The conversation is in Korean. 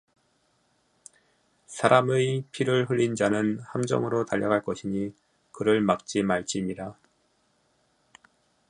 사람의 피를 흘린 자는 함정으로 달려갈 것이니 그를 막지 말지니라